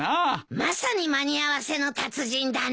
まさに間に合わせの達人だね。